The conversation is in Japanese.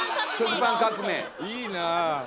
いいな。